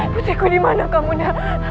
putriku di mana kamu nak